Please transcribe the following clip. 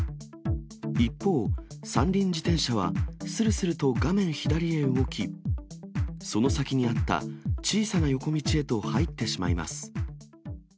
一方、三輪自転車はするすると画面左へ動き、その先にあった小さな横道へと入ってしまいます。